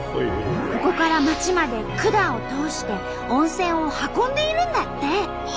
ここから町まで管を通して温泉を運んでいるんだって！